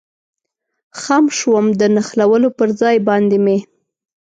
خم شوم، د نښلولو پر ځای باندې مې.